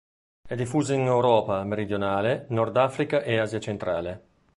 È diffuso in Europa meridionale, Nord Africa e Asia centrale.